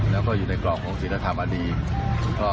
แล้วก็อยู่ในกรอบของศิลธรรมอดีต